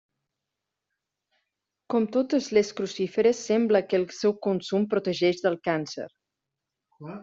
Com totes les crucíferes sembla que el seu consum protegeix del càncer.